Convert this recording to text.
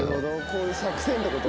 こういう作戦ってこと？